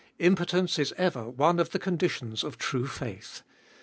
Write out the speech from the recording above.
Impotence is ever one of the conditions of true faith.